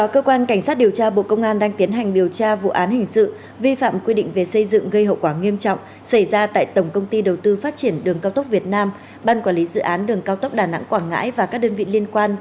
cơ quan cảnh sát điều tra bộ công an vừa ra quyết định khởi tố bốn bị can về hành vi phạm quy định về xây dựng gây hậu quả nghiêm trọng trong vụ án xảy ra tại tổng công ty đầu tư phát triển đường cao tốc việt nam ban quản lý dự án đường cao tốc đà nẵng quảng ngãi và các đơn vị có liên quan